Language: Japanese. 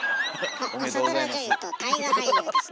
あっ朝ドラ女優と大河俳優ですね。